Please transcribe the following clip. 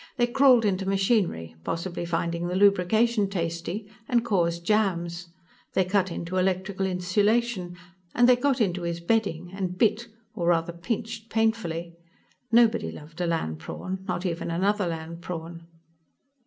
They crawled into machinery, possibly finding the lubrication tasty, and caused jams. They cut into electric insulation. And they got into his bedding, and bit, or rather pinched, painfully. Nobody loved a land prawn, not even another land prawn.